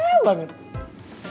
beb kalo udah kayak gini nih